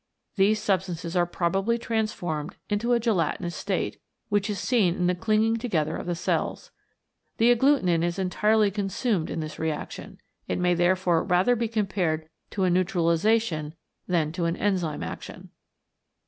These substances are probably transformed into a gelatinous state, which is seen in the clinging together of the cells. The agglutinin is entirely con sumed in this reaction. It may therefore rather be compared to a neutralisation than to an enzyme action.